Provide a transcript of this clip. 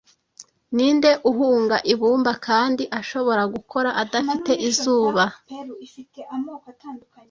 ninde uhunga ibumba kandi ashobora gukora adafite izuba